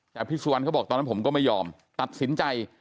แต่พี่สุวรรณเขาบอกตอนนั้นผมก็ไม่ยอมตัดสินใจ